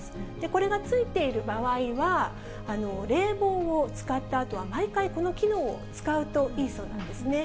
これがついている場合は、冷房を使ったあとは、毎回この機能を使うといいそうなんですね。